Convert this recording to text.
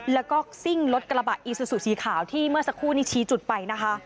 แล้วก็ซิ่งรถกระบะอีซูซูสีขาวที่เมื่อสักครู่นี้ชี้จุดไปนะคะ